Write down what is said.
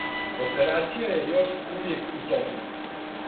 Операција је још увијек у току.